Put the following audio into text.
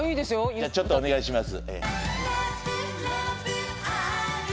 じゃあちょっとお願いします